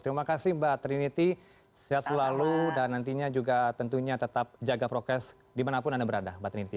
terima kasih mbak trinity sehat selalu dan nantinya juga tentunya tetap jaga prokes dimanapun anda berada mbak trinity